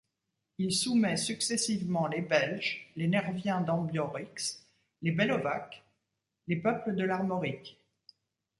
Il soumet successivement les Belges, les Nerviens d'Ambiorix, les Bellovaques, les peuples de l'Armorique.